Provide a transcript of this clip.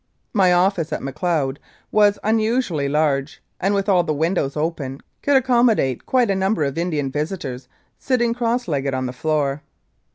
My office at Macleod was unusually large, and with all the windows open could accommo date quite a number of Indian visitors sitting cross legged on the floor.